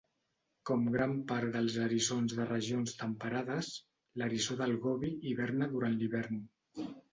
Com gran part dels eriçons de regions temperades, l'eriçó del Gobi hiberna durant l'hivern.